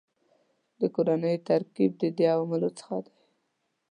د کورنیو ترکیب د دې عواملو څخه دی